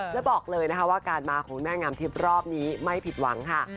แล้วบอกเลยนะคะว่าการมาของแม่งามทิพย์รอบนี้ไม่ผิดหวังค่ะ